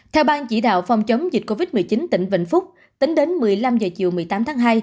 theo bang chỉ đạo phòng chống dịch covid một mươi chín tỉnh vĩnh phúc tính đến một mươi năm h chiều một mươi tám tháng hai